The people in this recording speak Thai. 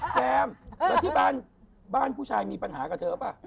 แจมแล้วที่บ้านผู้ชายมีปัญหากับเธอป่ะ